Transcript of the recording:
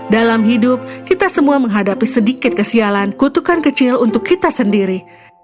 dalam hidup kita semua menghadapi sedikit kesialan kutukan kecil untuk kita sendiri